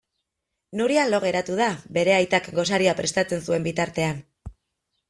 Nuria lo geratu da bere aitak gosaria prestatzen zuen bitartean.